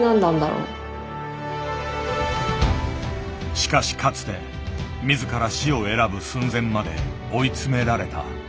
しかしかつて自ら死を選ぶ寸前まで追い詰められた。